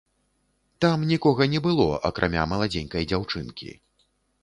Там нікога не было, акрамя маладзенькай дзяўчынкі.